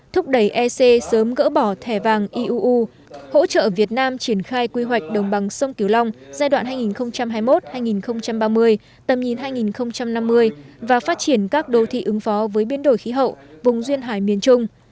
thúc đẩy ec sớm gỡ bỏ thẻ vàng iuu hỗ trợ việt nam triển khai quy hoạch đồng bằng sông kiều long giai đoạn hai nghìn hai mươi một hai nghìn ba mươi tầm nhìn hai nghìn năm mươi và phát triển các đô thị ứng phó với biến đổi khí hậu vùng duyên hải miền trung